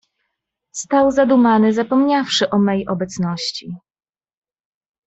"Stał zadumany, zapomniawszy o mej obecności."